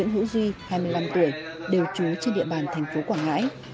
hai mươi năm tuổi đều trú trên địa bàn thành phố quảng ngãi